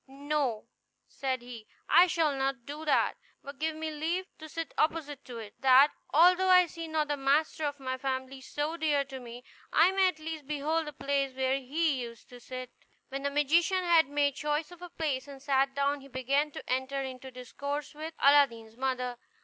"No," said he, "I shall not do that; but give me leave to sit opposite to it, that, although I see not the master of a family so dear to me, I may at least behold the place where he used to sit." When the magician had made choice of a place, and sat down, he began to enter into discourse with Aladdin's mother.